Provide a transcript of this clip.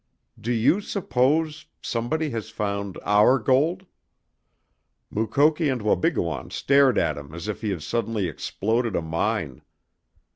"Do you suppose somebody has found our gold?" Mukoki and Wabigoon stared at him as if he had suddenly exploded a mine.